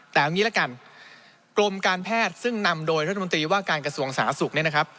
แต่เอางี้ละกันกรมการแพทย์ซึ่งนำโดยรัฐมนตรีว่าการกระทรวงสาธารณสุขเนี่ยนะครับ